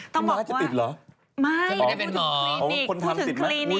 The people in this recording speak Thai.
ต้องบอกว่าไม่พูดถึงคลินิกพูดถึงคลินิก